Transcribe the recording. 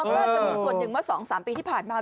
ก็จะเมืองส่วนหนึ่งว่าสองสามปีที่ผ่านมา